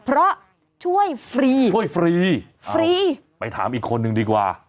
เพราะช่วยฟรีช่วยฟรีฟรีไปถามอีกคนนึงดีกว่า